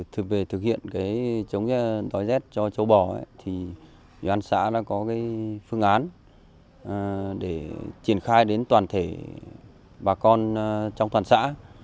từ về thực hiện chống đói rét cho châu bò ủy ban xã có phương án để triển khai đến toàn thể bà con trong toàn xã